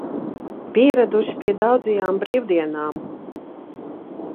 Pieraduši pie daudzajām brīvdienām.